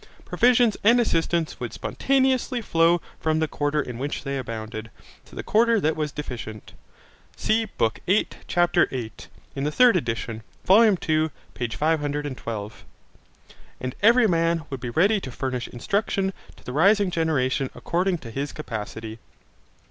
Provisions and assistance would spontaneously flow from the quarter in which they abounded, to the quarter that was deficient. (See Bk VIII, ch. 8; in the third edition, Vol II, p. 512) And every man would be ready to furnish instruction to the rising generation according to his capacity.